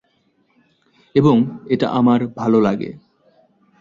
এবং এটা আমার ভালো লাগে।